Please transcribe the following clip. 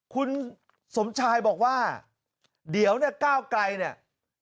คุณสมชายบอกว่าเดี๋ยวเนี่ยก้าวไกลเนี่ย